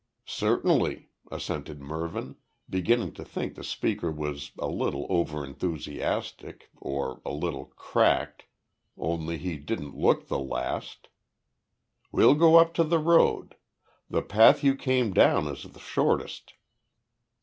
"Certainly," assented Mervyn, beginning to think the speaker was a little over enthusiastic, or a little cracked only he didn't look the last. "We'll go up to the road. The path you came down is the shortest."